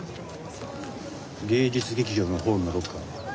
芸術劇場のホールのロッカー。